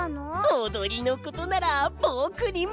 おどりのことならぼくにまかせてよ！